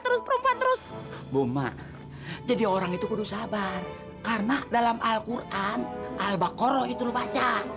terus perempuan terus buma jadi orang itu kudus sabar karena dalam alquran al baqarah itu lu baca